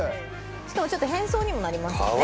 しかもちょっと変装にもなりますよね